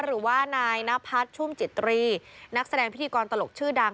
หรือว่านายนพัฒน์ชุ่มจิตรีนักแสดงพิธีกรตลกชื่อดัง